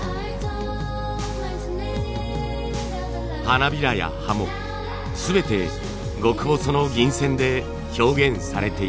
花びらや葉も全て極細の銀線で表現されています。